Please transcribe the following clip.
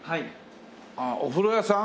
ああお風呂屋さん？